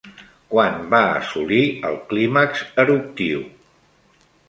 Quan va assolir el clímax eruptiu?